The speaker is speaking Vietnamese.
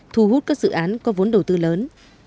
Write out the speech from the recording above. thu hút các dự án có vốn đầu tư lớn